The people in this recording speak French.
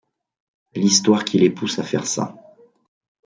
L'histoire qui les pousse à faire ça.